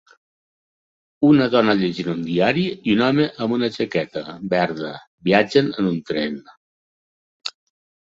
Una dona llegint un diari i un home amb una jaqueta verda viatgen en tren.